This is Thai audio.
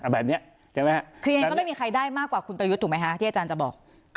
คือยังก็ไม่มีใครได้มากกว่าคุณประยุทธ์ถูกไหมคะที่อาจารย์จะบอก